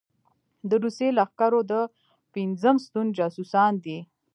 د روسي لښکرو د پېنځم ستون جاسوسان دي.